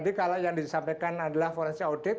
tadi kalau yang disampaikan adalah forense audit